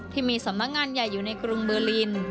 ที่มีสำนักงานใหญ่อยู่ในกรุงเบอร์ลิน